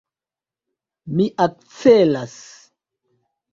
Mi akcelas.